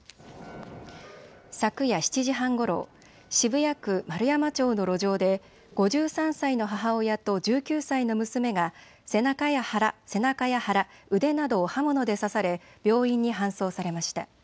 昨夜７時半ごろ、渋谷区円山町の路上で５３歳の母親と１９歳の娘が背中や腹、腕などを刃物で刺され病院に搬送されました。